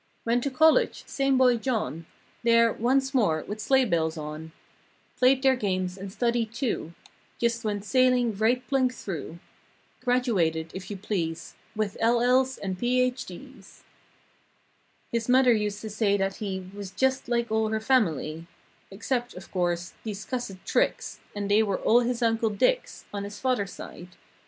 235 Went to college—same boy John— "There, once more, with sleigh bells on." Played their games and studied, too; Just went sailing right plunk through. Graduated, if you please With LL's and PH D's. (His mother used to say that he Was just like all her family, Except, of course, these cussed tricks And they were all his Uncle Dick's On his father's side.